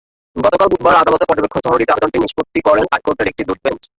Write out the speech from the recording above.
গতকাল বুধবার আদালতের পর্যবেক্ষণসহ রিট আবেদনটি নিষ্পত্তি করেন হাইকোর্টের একটি দ্বৈত বেঞ্চ।